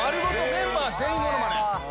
メンバー全員物まね。